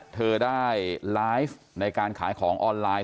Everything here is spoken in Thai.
เธอได้ไลฟ์ในการขายของออนไลน์